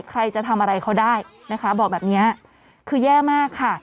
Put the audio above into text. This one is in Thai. ใครจะทำอะไรเขาได้นะคะบอกแบบนี้คือแย่มากค่ะ